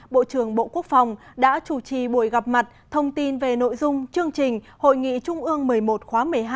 bộ trưởng bộ quốc phòng đã chủ trì buổi gặp mặt thông tin về nội dung chương trình hội nghị trung ương một mươi một khóa một mươi hai